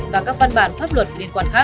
và các văn bản pháp luật liên quan khác